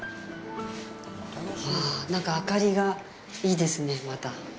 なんか明かりがいいですね、また。